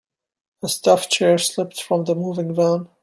A stuffed chair slipped from the moving van.